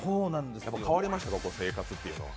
変わりましたか、生活は？